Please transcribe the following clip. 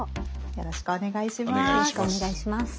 よろしくお願いします。